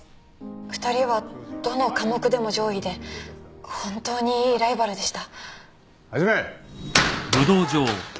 二人はどの科目でも上位で本当にいいライバルでした。